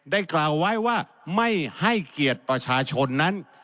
กล่าวไว้ว่าไม่ให้เกียรติประชาชนนั้น